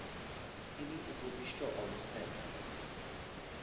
তিনি উপবিষ্ট অবস্থায় থাকেন।